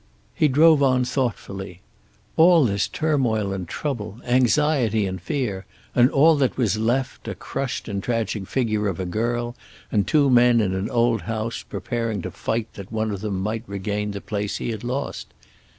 He drove on, thoughtfully. All this turmoil and trouble, anxiety and fear, and all that was left a crushed and tragic figure of a girl, and two men in an old house, preparing to fight that one of them might regain the place he had lost.